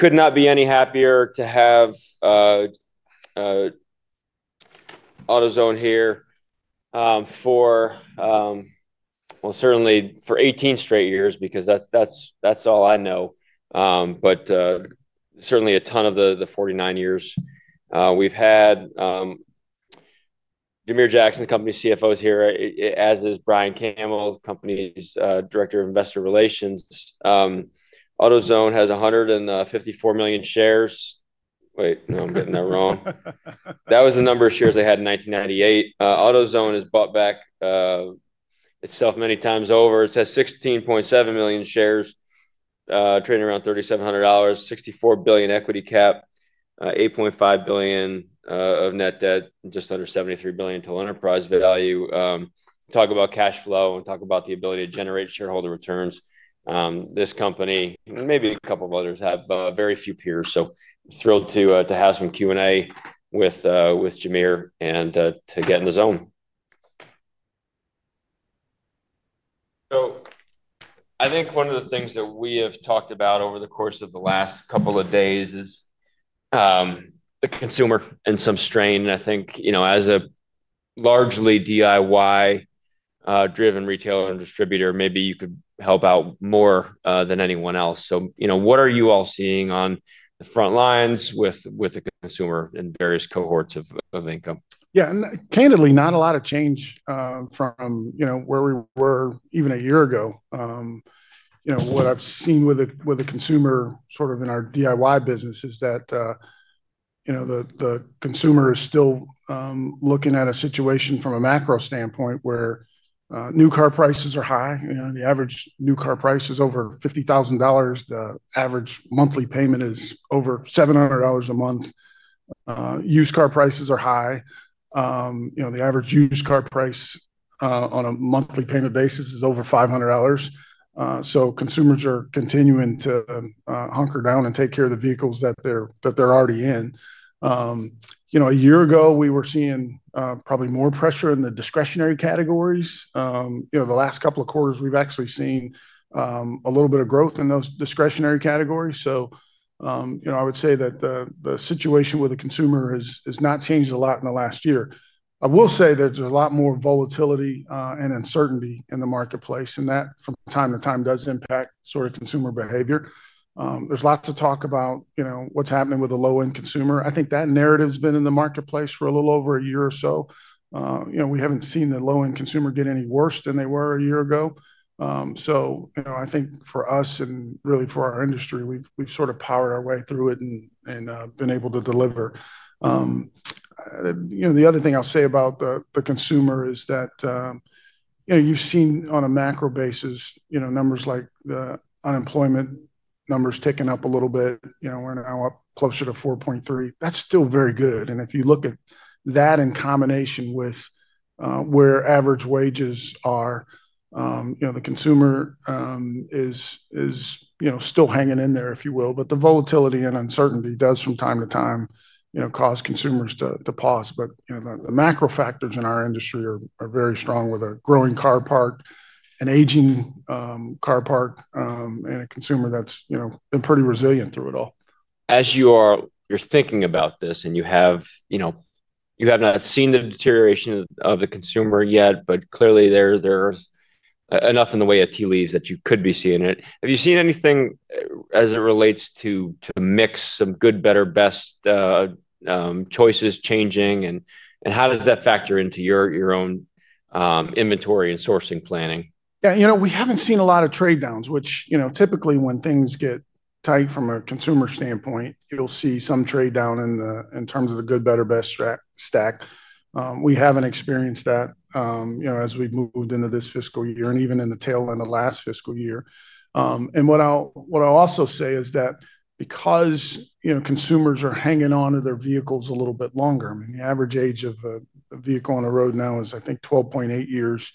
Could not be any happier to have AutoZone here for, well, certainly for 18 straight years, because that's all I know, but certainly a ton of the 49 years we've had. Jamere Jackson, the company CFO is here, as is Brian Campbell, company's Director of Investor Relations. AutoZone has 154 million shares. Wait, no, I'm getting that wrong. That was the number of shares they had in 1998. AutoZone has bought back itself many times over. It says 16.7 million shares trading around $3,700. $64 billion equity cap, $8.5 billion of net debt, just under $73 billion total enterprise value. Talk about cash flow and talk about the ability to generate shareholder returns. This company and maybe a couple of others have very few peers. So thrilled to have some Q&A with Jamere and to get in the zone. So I think one of the things that we have talked about over the course of the last couple of days is the consumer and some strain. I think as a largely DIY driven retailer and distributor, maybe you could help out more than anyone else. So, you know, what are you all seeing on the front lines with the consumer and various cohorts of income? Yeah, candidly, not a lot of change from where we were even a year ago. What I've seen with the consumer sort of in our DIY business is that the consumer is still looking at a situation from a macro standpoint where new car prices are high. The average new car price is over $50,000. The average monthly payment is over $700 a month, used car prices are high. You know, the average used car price on a monthly payment basis is over $500. So consumers are continuing to hunker down and take care of the vehicles that they're, that they're already in. You know, a year ago we were seeing probably more pressure in the discretionary categories. You know, the last couple of quarters we've actually seen a little bit of growth in those discretionary categories. So, you know, I would say that the situation with the consumer has not changed a lot in the last year. I will say there's a lot more volatility and uncertainty in the marketplace and that from time to time does impact sort of consumer behavior. There's lots of talk about what's happening with the low end consumer. I think that narrative's been in the marketplace for a little over a year or so. We haven't seen the low end consumer get any worse than they were a year ago. So I think for us, and really for our industry, we've sort of powered our way through it and been able to deliver. The other thing I'll say about the consumer is that you've seen on a macro basis numbers like the unemployment numbers ticking up a little bit. We're now up closer to 4.3%. That's still very good, and if you look at that in combination with where average wages are, the consumer is still hanging in there, if you will, but the volatility and uncertainty does from time to time cause consumers to pause, but the macro factors in our industry are very strong, with a growing car parc and aging car parc and a consumer that's, you know, been pretty resilient through it all. As you are, you're thinking about this and you have, you know, you have not seen the deterioration of the consumer yet, but clearly there, there's enough in the way of tea leaves that you could be seeing it. Have you seen anything as it relates to mix some good, better, best choices changing and how does that factor into your own inventory and sourcing planning? Yeah, you know, we haven't seen a lot of trade-downs which, you know, typically when things get tight from a consumer standpoint, you'll see some trade-down in the, in terms of the good, better, best stack. We haven't experienced that, you know, as we've moved into this fiscal year and even in the tail end of last fiscal year, and what I'll, what I'll also say is that because, you know, consumers are hanging onto their vehicles a little bit longer. I mean, the average age of vehicle on the road now is I think, 12.8 years.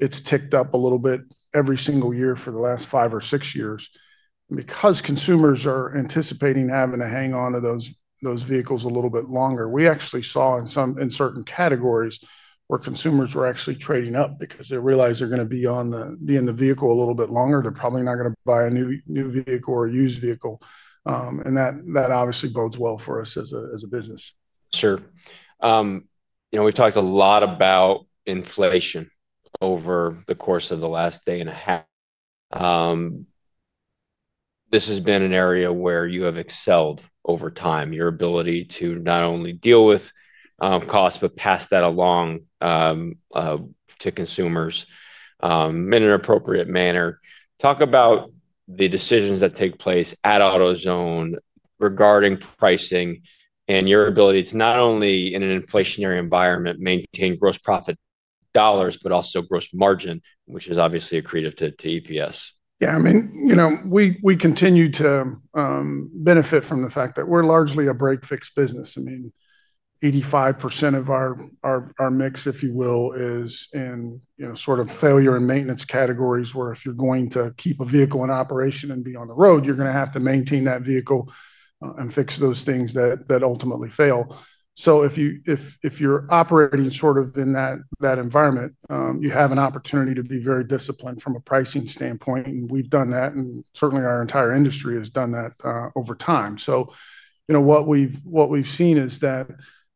It's ticked up a little bit every single year for the last five or six years because consumers are anticipating having to hang on to those, those vehicles a little bit longer. We actually saw in some, in certain categories where consumers were actually trading up because they realized they're going to be on the, be in the vehicle a little bit longer, they're probably not going to buy a new new vehicle or used vehicle, and that, that obviously bodes well for us as a, as a business. Sure. You know, we've talked a lot about inflation over the course of the last day and a half. This has been an area where you have excelled over time. Your ability to not only deal with costs but pass that along to consumers in an appropriate manner. Talk about the decisions that take place at AutoZone regarding pricing and your ability to not only in an inflationary environment, maintain gross profit dollars, but also gross margin, which is obviously accretive to EPS. Yeah, I mean, you know, we, we continue to benefit from the fact that we're largely a break-fix business. I mean, 85% of our, our, our mix, if you will, is in, you know, sort of failure and maintenance categories where if you're going to keep a vehicle in operation and be on the road, you're going to have to maintain that vehicle and fix those things that, that ultimately fail. So if you, if, if you're operating sort of in that, that environment, you have an opportunity to be very disciplined from a pricing standpoint. And we've done that and certainly our entire industry has done that over time. So you know, what we've, what we've seen is that,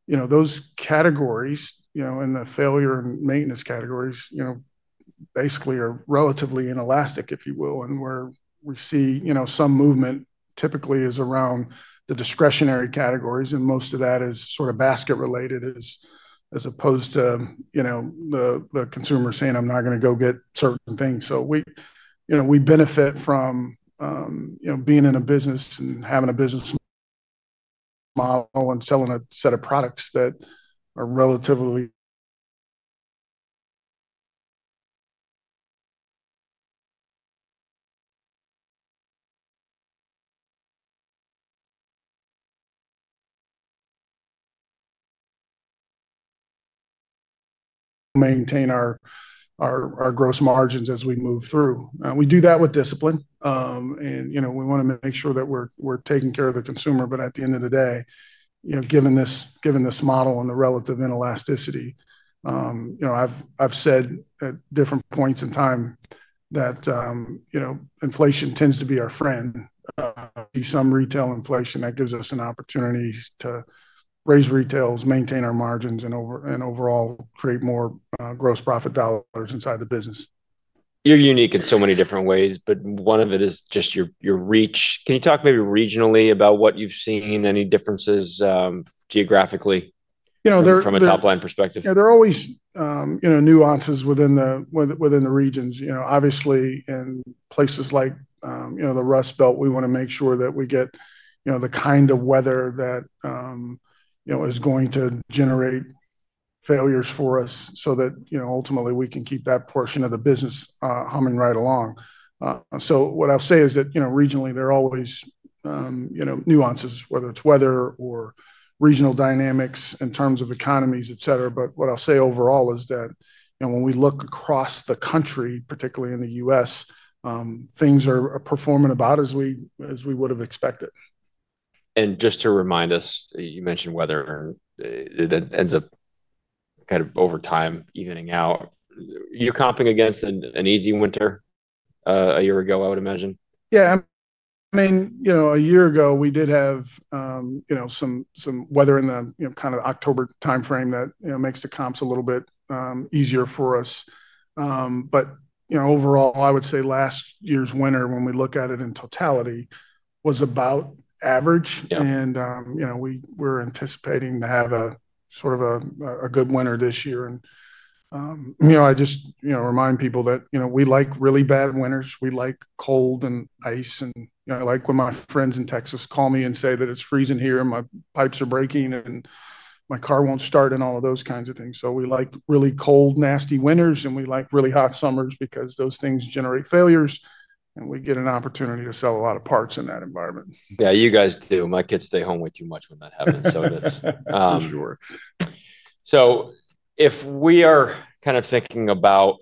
you know, those categories, you know, in the failure and maintenance categories, you know, basically are relatively inelastic, if you will, and we're, we see some movement typically is around the discretionary categories and most of that is sort of basket related as opposed to the consumer saying, I'm not going to go get certain things. So we benefit from being in a business and having a business model and selling a set of products that are relatively maintain our gross margins as we move through. We do that with discipline and you know, we want to make sure that we're taking care of the consumer. But at the end of the day, you know, given this, given this model and the relative inelasticity, you know, I've, I've said at different points in time that, you know, inflation tends to be our friend, some retail inflation that gives us an opportunity to raise retails, maintain our margins and over and overall create more gross profit dollars inside the business. You're unique in so many different ways, but one of it is just your reach. Can you talk maybe regionally about what you've seen? Any differences geographically from a top line perspective? There are always nuances within the regions. Obviously in places like the Rust Belt, we want to make sure that we get the kind of weather that is going to generate failures for us so that ultimately we can keep that portion of the business humming right along. So what I'll say is that regionally they're always, you know, nuances, whether it's weather or regional dynamics in terms of economies, et cetera. But what I'll say overall is that when we look across the country, particularly in the U.S. things are performing about as we, as we would have expected. And just to remind us, you mentioned weather that ends up kind of over time evening out. You're comping against an easy winter a year ago, I would imagine. Yeah, I mean, you know, a year ago we did have, you know, some weather in the, you know, kind of October timeframe that, you know, makes the comps a little bit easier for us. But you know, overall, I would say last year's winter, when we look at it in totality, was about average. And you know, we were anticipating to have a sort of a good winter this year. And you know, I just remind people that we like really bad winters. We like cold and ice. And I like when my friends in Texas call me and say that it's freezing here, my pipes are breaking and my car won't start and all of those kinds of things. So we like really cold, nasty winters and we like really hot summers because those things generate failures and we get an opportunity to sell a lot of parts in that environment. Yeah, you guys too. My kids stay home way too much when that happens, so that's for sure. So. So if we are kind of thinking about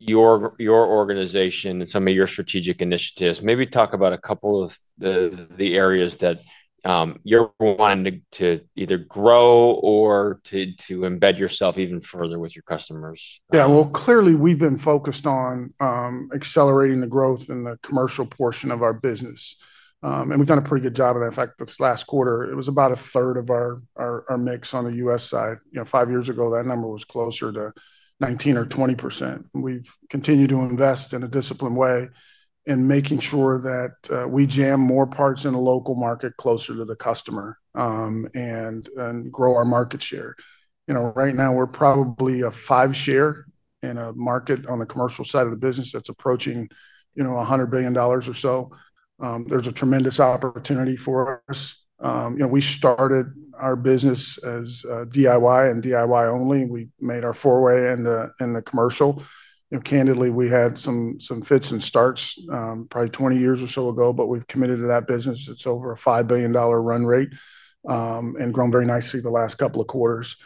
your organization and some of your strategic initiatives, maybe talk about a couple of the areas that you're wanting to either grow or to embed yourself even further with your customers. Yeah, well, clearly we've been focused on accelerating the growth in the commercial portion of our business and we've done a pretty good job of that. In fact, this last quarter it was about a third of our mix on the U.S. side. Five years ago, that number was close to 19% or 20%. We've continued to invest in a disciplined way in making sure that we jam more parts in a local market closer to the customer and grow our market share. You know, right now we're probably a 5% share in a market on the commercial side of the business that's approaching, you know, $100 billion or so. There's a tremendous opportunity for us. You know, we started our business as DIY and DIY only. We made our foray and the commercial, you know, candidly, we had some fits and starts probably 20 years or so ago, but we've committed to that business. It's over a $5 billion run rate and grown very nicely the last couple of quarters.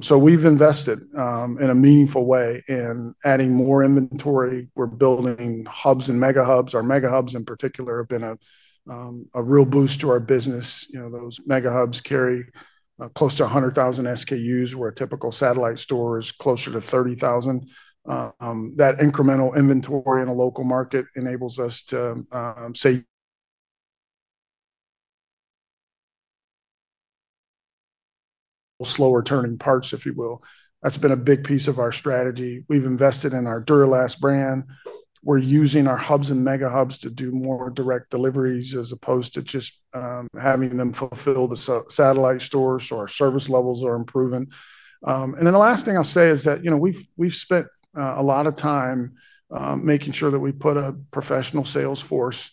So we've invested in a meaningful way in adding more inventory. We're building hubs and mega hubs. Our mega hubs in particular have been a real boost to our business. You know, those mega hubs carry close to 100,000 SKUs where a typical satellite store is closer to 30,000. That incremental inventory in a local market enables us to stock slower turning parts, if you will. That's been a big piece of our strategy. We've invested in our Duralast brand. We're using our hubs and mega hubs to do more direct deliveries as opposed to just having them fulfill the satellite store. So our service levels are improving. And then the last thing I'll say is that, you know, we've spent a lot of time making sure that we put a professional sales force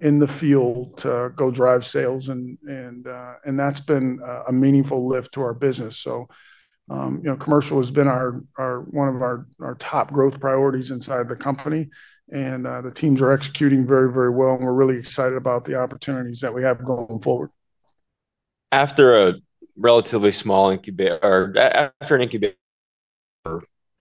in the field to go drive sales and that's been a meaningful lift to our business. So, you know, commercial has been our, one of our top growth priorities inside the company and, and the teams are executing very, very well and we're really excited about the opportunities that we have going forward. After a relatively small incubator, or after an incubator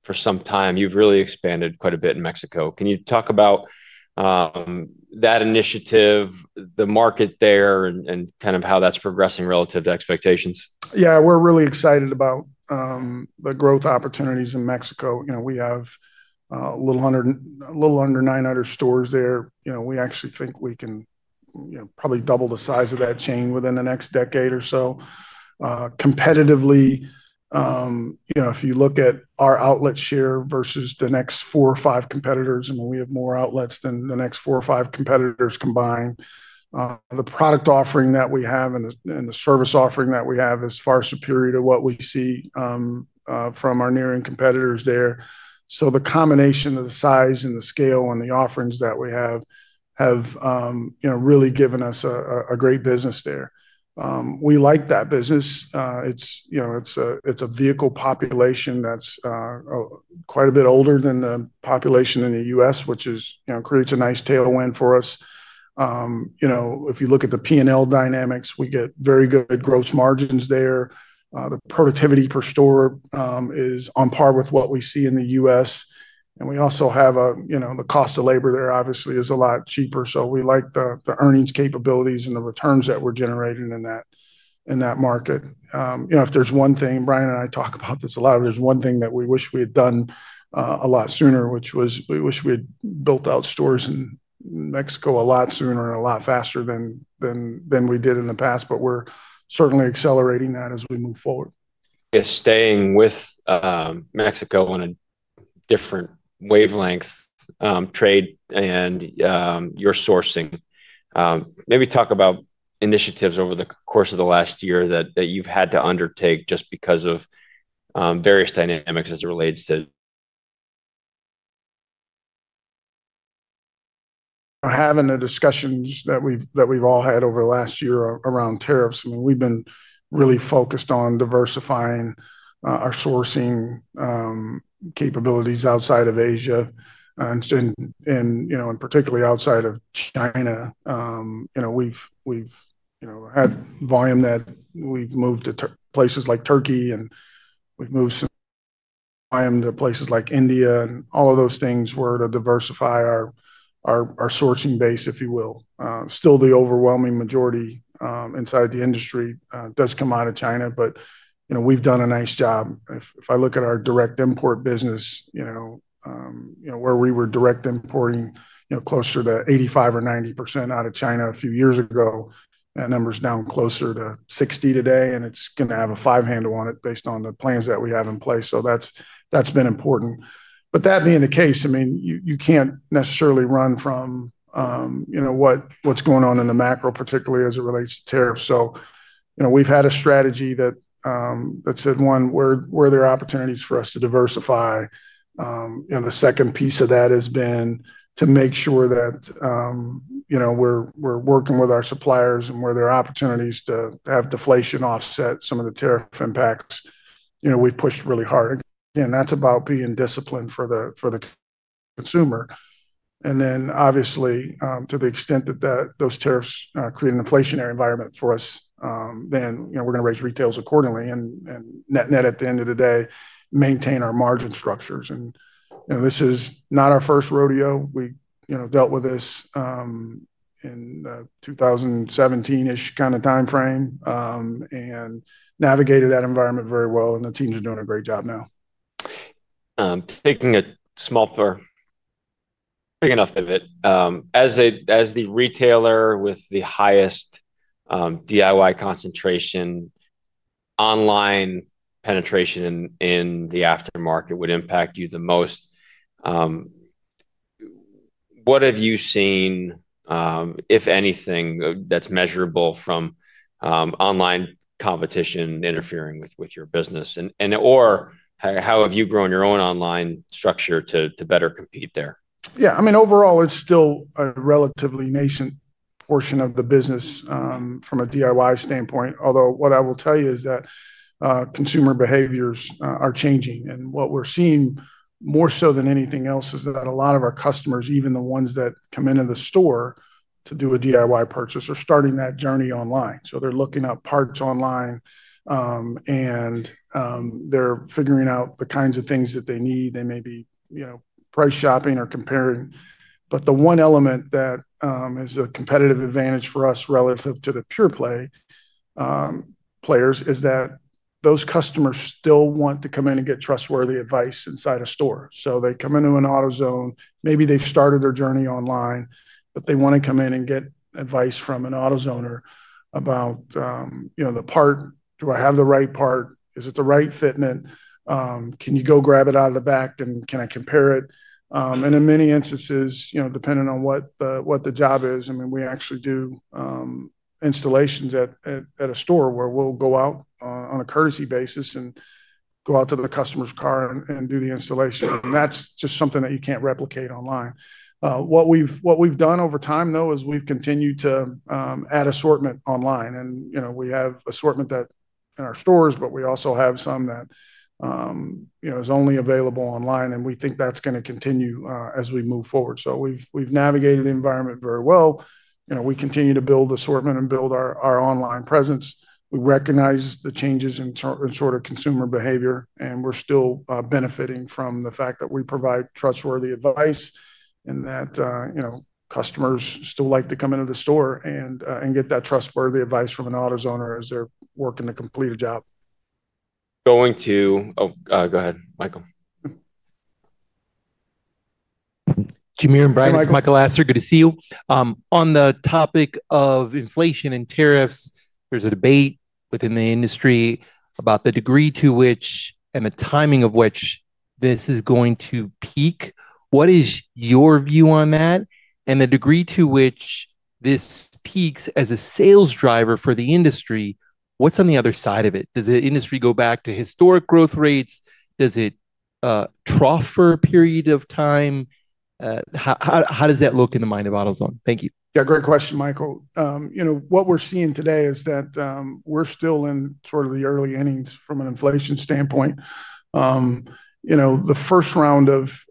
for some time, you've really expanded quite a bit in Mexico. Can you talk about that initiative, the market there, and kind of how that's progressing relative to expectations? Yeah, we're really excited about the growth opportunities in Mexico. You know, we have a little under 900 stores there. You know, we actually think we can, you know, probably double the size of that chain within the next decade or so competitively. You know, if you look at our outlet share versus the next four or five competitors and when we have more outlets than the next four or five competitors combined, the product offering that we have and the service offering that we have is far superior to what we see from our near end competitors there. So the combination of the size and the scale and the offerings that we have, you know, really given us a great business there. We like that business. It's, you know, it's a, it's a vehicle population that's quite a bit older than the population in the U.S. which is, you know, creates a nice tailwind for us. You know, if you look at the P&L dynamics, we get very good gross margins. There's, the productivity per store is on par with what we see in the U.S. and we also have a, you know, the cost of labor there obviously is a lot cheaper. So we like the earnings capabilities and the returns that we're generating in that, in that market. You know, if there's one thing Brian and I talk about this a lot, there's one thing that we wish we had done a lot sooner, which was we wish we had built out stores in Mexico a lot sooner and a lot faster than we did in the past. But we're certainly accelerating that as we move forward. Is staying with Mexico on a different wavelength. Trade and your sourcing. Maybe talk about initiatives over the course of the last year that you've had to undertake just because of various dynamics as it relates. Having the discussions that we've all had over the last year around tariffs, we've been really focused on diversifying our sourcing capabilities outside of Asia and, you know, and particularly outside of China. You know, we've had volume that we've moved to places like Turkey and we've moved some to places like India and all of those things were to diversify our sourcing base, if you will. Still, the overwhelming majority inside the industry does come out of China, but we've done a nice job. If I look at our direct import business, where we were direct importing closer to 85% or 90% out of China a few years ago, that number's down closer to 60% today. And it's going to have a five handle on it based on the plans that we have in place. That's been important, but that being the case, I mean, you can't necessarily run from what's going on in the macro, particularly as it relates to tariffs, so we've had a strategy that said one where there are opportunities for us to diversify. The second piece of that has been to make sure that we're working with our suppliers and where there are opportunities to have deflation offset some of the tariff impacts, we've pushed really hard, and that's about being disciplined for the consumer. And then obviously, to the extent that those tariffs create an inflationary environment for us, then, you know, we're going to raise retails accordingly and net net, at the end of the day, maintain our margin structures, and this is not our first rodeo. We, you know, dealt with this in 2017-ish kind of timeframe and navigated that environment very well, and the teams are doing a great. So now taking a smaller, big enough pivot as the retailer with the highest DIY concentration online penetration in the aftermarket would impact you the most. What have you seen, if anything, that's measurable from online competition interfering with your business, or how have you grown your own online structure to better compete there? Yeah, I mean, overall, it's still a relatively nascent portion of the business from a DIY standpoint. Although what I will tell you is that consumer behaviors are changing. And what we're seeing more so than anything else is that a lot of our customers, even the ones that come into the store to do a DIY purchase or starting that journey online, so they're looking up parts online and they're figuring out the kinds of things that they need. They may be, you know, price shopping or comparing, but the one element that is a competitive advantage for us relative to the pure play players is that those customers still want to come in and get trustworthy advice inside a store. So they come into an AutoZone, maybe they've started their journey online, but they want to come in and get advice from an AutoZoner about, you know, the part. Do I have the right part? Is it the right fitment? Can you go grab it out of the back and can I compare it? And in many instances, you know, depending on what the job is, I mean, we actually do installations at a store where we'll go out on a courtesy basis and go out to the customer's car and do the installation. And that's just something that you can't replicate online. What we've done over time though is we've continued to add assortment online and you know, we have assortment that in our stores, but we also have some that, you know, is only available online and we think that's going to continue as we move forward. So we've, we've navigated the environment very well. You know, we continue to build assortment and build our online presence. We recognize the changes in sort of consumer behavior and we're still benefiting from the fact that we provide trustworthy advice and that, you know, customers still like to come into the store and get that trustworthy advice from an AutoZone as they're working to complete a job. Going to. Oh, go ahead, Michael. Jamere. This is Michael Astor, good to see you. On the topic of inflation and tariffs, there's a debate within the industry about the degree to which and the timing of which this is going to peak. What is your view on that and the degree to which this peaks as a sales driver for the industry? What's on the other side of it? Does the industry go back to historic growth rates? Does it trough for a period of time? How does that look in the mind of AutoZone? Thank you. Yeah, great question, Michael. What we're seeing today is that we're still in sort of the early innings from an inflation standpoint. You know, the first round of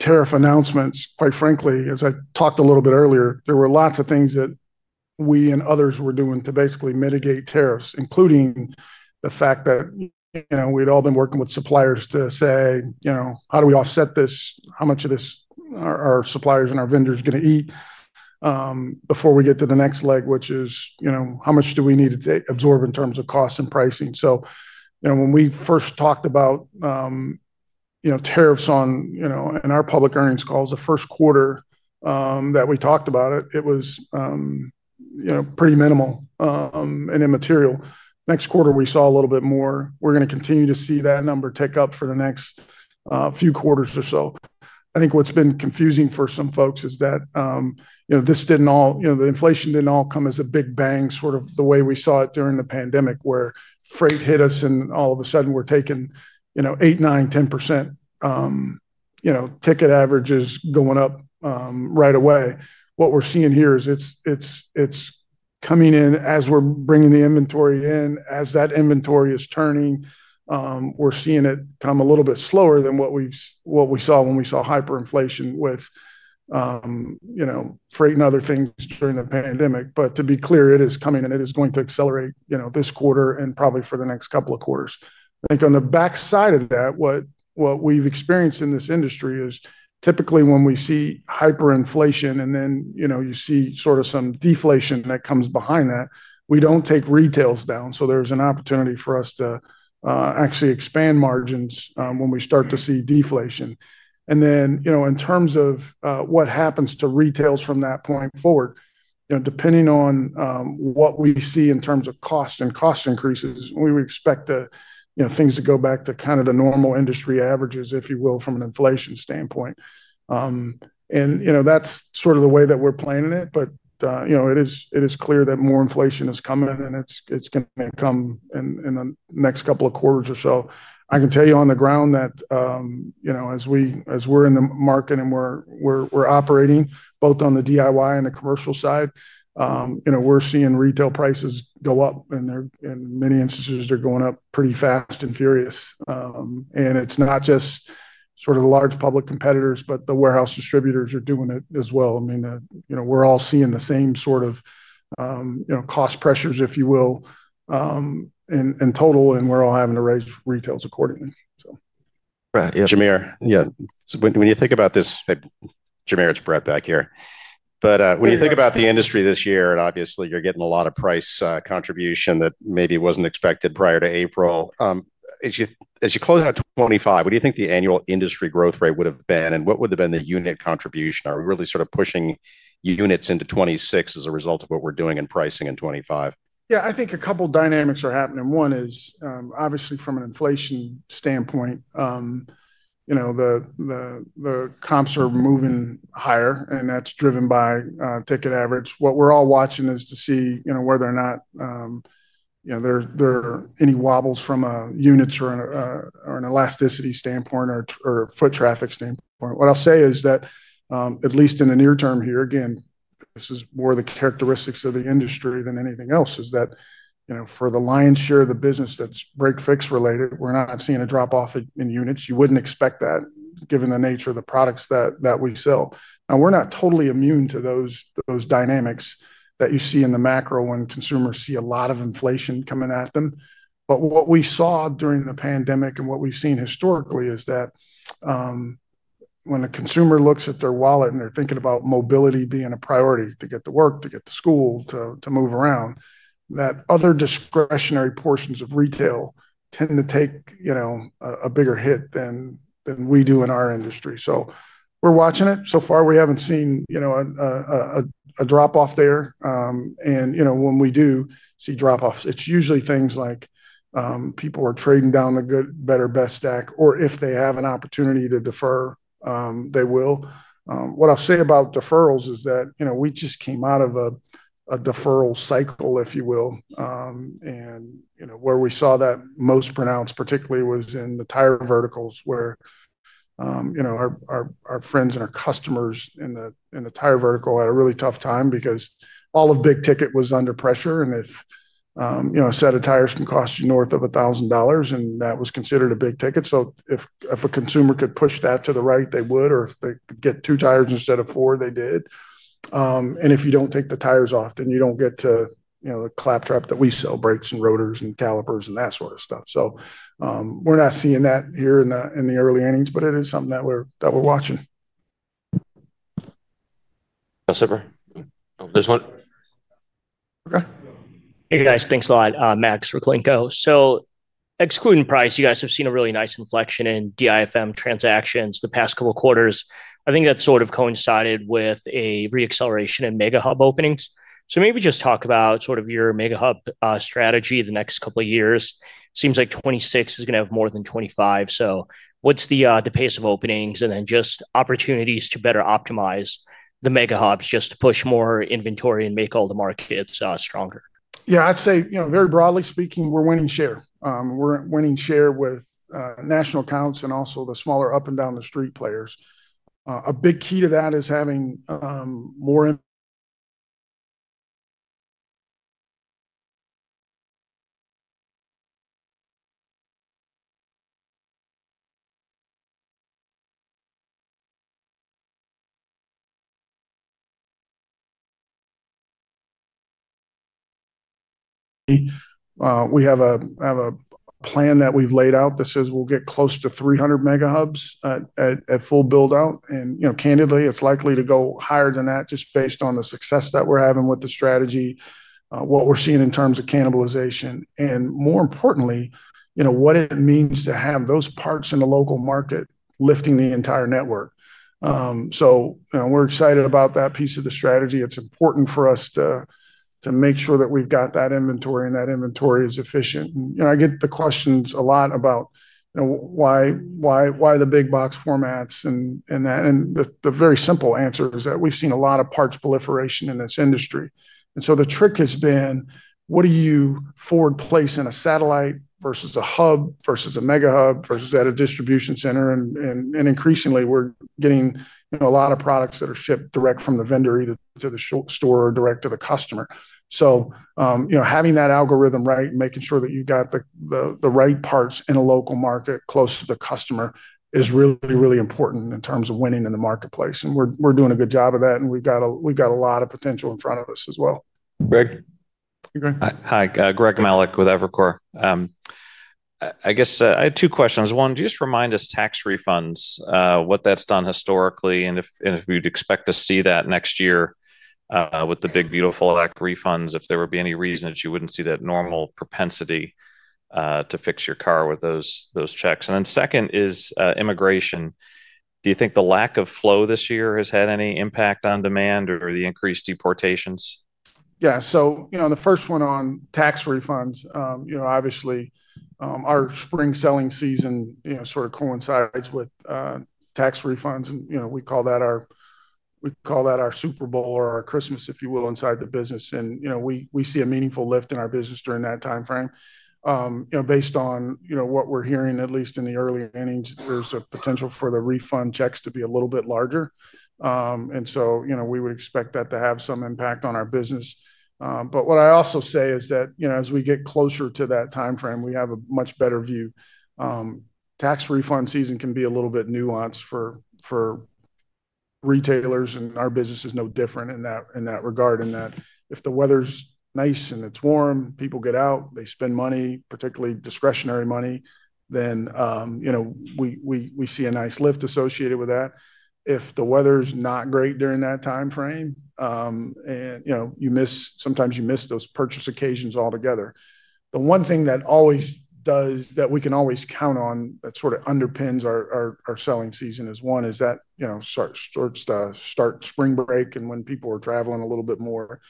tariff announcements. Quite frankly, as I talked a little bit earlier, there were lots of things that we and others were doing to basically mitigate tariffs, including the fact that we'd all been working with suppliers to say, you know, how do we offset this? How much of this are suppliers and our vendors going to eat before we get to the next leg, which is, you know, how much do we need to absorb in terms of costs and pricing. So, you know, when we first talked about, you know, tariffs on, you know, in our public earnings calls, the first quarter that we talked about it, it was, you know, pretty minimal and immaterial. Next quarter we saw a little bit more. We're going to continue to see that number tick up for the next few quarters or so. I think what's been confusing for some folks is that, you know, this didn't all, you know, the inflation didn't all come as a big bang. Sort of the way we saw it during the pandemic where freight hit us and all of a sudden we're taking, you know, eight, nine, 10%, you know, ticket averages going up right away. What we're seeing here is it's, it's, it's coming in as we're bringing the inventory in, as that inventory is turning. We're seeing it come a little bit slower than what we've, what we saw when we saw hyperinflation with, you know, freight and other things during the pandemic. But to be clear, it is coming and it is going to accelerate, you know, this quarter and probably for the next couple of quarters. I think on the backside of that, what, what we've experienced in this industry is typically when we see hyperinflation and then, you know, you see sort of some deflation that comes behind that. We don't take retails down, so there's an opportunity for us to actually expand margins when we start to see deflation. And then, you know, in terms of what happens to retails from that point forward, you know, depending on what we see in terms of cost and cost increases, we would expect to, you know, things that go back to kind of the normal industry averages, if you will, from an inflation standpoint. And, you know, that's sort of the way that we're planning it. But, you know, it is, it is clear that more inflation is coming, and it's, it's going to come in the next couple of quarters or so. I can tell you on the ground that, you know, as we, as we're in the market and we're, we're, we're operating both on the DIY and the commercial side. You know, we're seeing retail prices go up and they're, in many instances, they're going up pretty fast and furious. It's not just sort of the large public competitors, but the warehouse distributors are doing it as well. I mean, you know, we're all seeing the same sort of, you know, cost pressures, if you will. In total and we're all having to raise retails accordingly. So, Jamere. Yeah, when you think about this, Jamere, it's Bret back here. But when you think about the industry this year, and obviously you're getting a lot of price contribution that maybe wasn't expected prior to April. As you close out 2025, what do you think the annual industry growth rate would have been and what would have been the unit contribution? Are we really sort of pushing units into 2026 as a result of what we're doing in pricing in 2025? Yeah, I think a couple dynamics are happening. One is obviously from an inflation standpoint, you know, the comps are moving higher and that's driven by ticket average. What we're all watching is to see whether or not there are any wobbles from units or an elasticity standpoint or foot traffic standpoint. What I'll say is that at least in the near term, here again, this is more the characteristics of the industry than anything else. Is that for the lion's share of the business that's break fix related, we're not seeing a drop off in units. You wouldn't expect that given the nature of the products that we sell. Now, we're not totally immune to those dynamics that you see in the macro when consumers see a lot of inflation coming at them. But what we saw during the pandemic and what we've seen historically is that when the consumer looks at their wallet and they're thinking about mobility being a priority to get to work, to get to school, to move around, that other discretionary portions of retail tend to take a bigger hit than we do in our industry. So we're watching it. So far we haven't seen a drop off there. And when we do see drop offs, it's usually things like people are trading down the good, better, best stack or if they have an opportunity to defer, they will. What I'll say about deferrals is that we just came out of a deferral cycle, if you will. And you know where we saw that most pronounced particularly was in the tire verticals, where, you know, our friends and our customers in the tire vertical had a really tough time because all of big ticket was under pressure. And if you know a set of tires can cost you north of $1,000 and that was considered a big ticket. So if a consumer could push that to the right, they would. Or if they get two tires instead of four, they did. And if you don't take the tires off, then you don't get to, you know, the claptrap that we sell brakes and rotors and calipers and that sort of stuff. So we're not seeing that here in the early innings, but it is something that we're watching. There's one. Okay. Hey guys, thanks a lot. Max Rakhlenko. So excluding price, you guys have seen a really nice inflection in DIFM transactions the past couple of quarters. I think that sort of coincided with a reacceleration in mega hub openings. So maybe just talk about sort of your mega hub strategy. The next couple of years seems like 2026 is going to have more than 2025. So what's the pace of openings and then just opportunities to better optimize the mega hubs just to push more inventory and make all the markets stronger. Yeah, I'd say, you know, very broadly speaking, we're winning share, we're winning share with national accounts and also the smaller up and down the street players. A big key to that is having more. We have a plan that we've laid out that says we'll get close to 300 mega hubs at full build out. And you know, candidly, it's likely to go higher than that just based on the success that we're having with the strategy, what we're seeing in terms of cannibalization and more importantly, you know, what it means to have those parts in the local market lifting the entire network. So we're excited about that piece of the strategy. It's important for us to make sure that we've got that inventory and that inventory is efficient. I get the questions a lot about why the big box formats and the very simple answer is that we've seen a lot of parts proliferation in this industry. And so the trick has been what do you forward place in a satellite versus a hub versus a mega hub versus at a distribution center. And increasingly we're getting a lot of products that are shipped direct from the vendor, either to the store or direct to the customer. So, you know, having that algorithm, right, making sure that you got the right parts in a local market close to the customer is really, really important in terms of winning in the marketplace. And we're doing a good job of that. And we've got a lot of potential in front of us as well. Greg. Hi, Greg Melich with Evercore. I guess I had two questions. One, do you just remind us tax refunds what that's done historically and if you'd expect to see that next year with the big beautiful tax refunds. If there would be any reason that you wouldn't see that normal propensity to fix your car with those checks. And then second is immigration. Do you think the lack of flow this year has had any impact on demand or the increased deportations? Yeah. So, you know, the first one on tax refunds, you know, obviously our spring selling season sort of coincides with tax refunds. And, you know, we call that our super bowl or our Christmas, if you will, inside the business. And, you know, we see a meaningful lift in our business during that time frame. You know, based on, you know, what we're hearing, at least in the early innings, there's a potential for the refund checks to be a little bit larger. And so, you know, we would expect that to have some impact on our business. But what I also say is that, you know, as we get closer to that timeframe, we have a much better view. Tax refund season can be a little bit nuanced for retailers, and our business is no different in that regard, in that if the weather's nice and it's warm, people get out, they spend money, particularly discretionary money, then, you know, we see a nice lift associated with that. If the weather's not great during that time frame and, you know, you miss. Sometimes you miss those purchase occasions altogether. The one thing that always does that we can always count on, that sort of underpins our selling season is that, you know, starts spring break and when people are traveling a little bit more.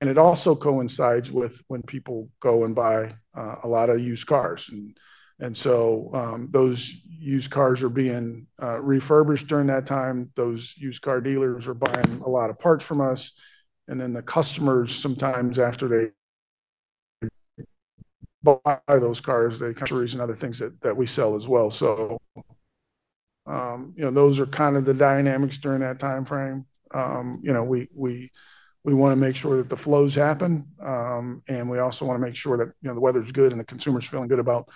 And it also coincides with when people go and buy a lot of used cars. And so those used cars are being refurbished during that time. Those used car dealers are buying a lot of parts from us. And then the customers sometimes after they buy those cars, they that we sell as well. So, you know, those are kind of the dynamics during that timeframe. You know, we want to make sure that the flows happen, and we also want to make sure that the weather's good and the consumer's feeling good about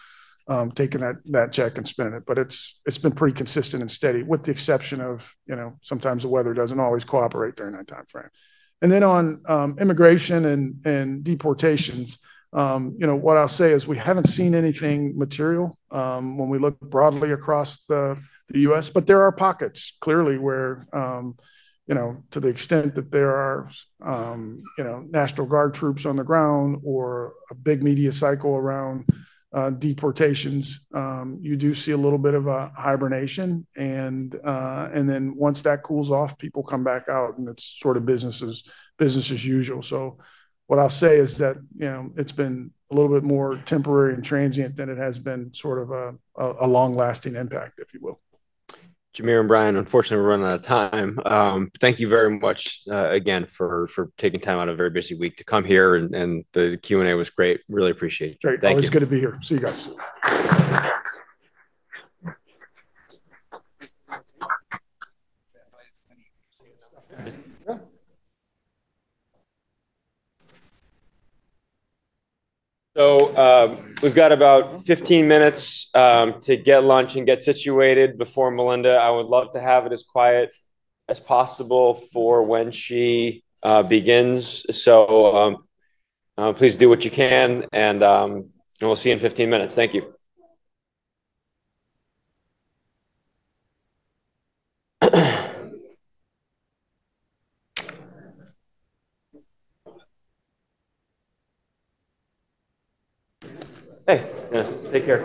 taking that check and spending it. But it's been pretty consistent and steady, with the exception of sometimes the weather doesn't always cooperate during that time frame. And then on immigration and deportations, what I'll say is we haven't seen anything material when we look broadly across the U.S. but there are pockets clearly where to the extent that there are National Guard troops on the ground or a big media cycle around deportations, you do see a little bit of a hibernation. And then once that cools off, people come back out and it's sort of business as usual. So what I'll say is that, you know, it's been a little bit more temporary and transient than it has been sort of a long lasting impact, if you will. Jamere and Brian, unfortunately, we run out of time. Thank you very much again for taking time out. A very busy week to come here and the Q&A was great. Really appreciate. Always gonna be here. See you guys soon. So we've got about 15 minutes to get lunch and get situated before Melinda. I would love to have it as quiet as possible for when she begins. So please do what you can. And we'll see in 15 minutes. Thank you. Take care of.